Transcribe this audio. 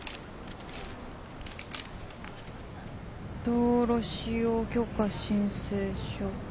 「道路使用許可申請書」。